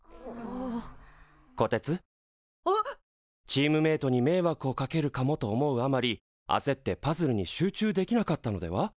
チームメートにめいわくをかけるかもと思うあまりあせってパズルに集中できなかったのでは？